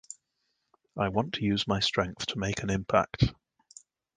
I want to use my strength to make an impact.